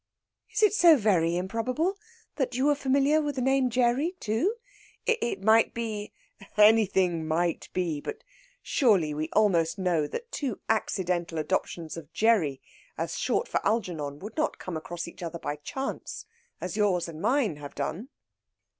"Is it so very improbable that you were familiar with the name Gerry too? It might be " "Anything might be. But surely we almost know that two accidental adoptions of Gerry as a short for Algernon would not come across each other by chance, as yours and mine have done."